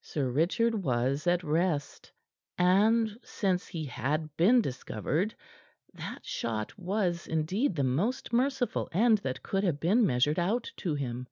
Sir Richard was at rest. And since he had been discovered, that shot was, indeed, the most merciful end that could have been measured out to him.